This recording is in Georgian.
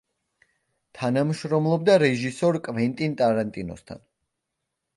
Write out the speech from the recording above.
თანამშრომლობდა რეჟისორ კვენტინ ტარანტინოსთან.